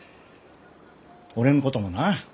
俺のこともな